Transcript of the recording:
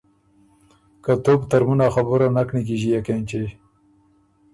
که تُو بو ترمُن ا خبُره نک نیکیݫيېک اېنچی۔